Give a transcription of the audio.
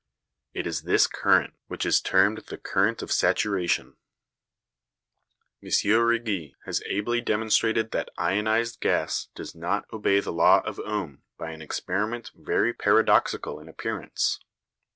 It is this current which is termed the current of saturation. M. Righi has ably demonstrated that ionised gas does not obey the law of Ohm by an experiment very paradoxical in appearance.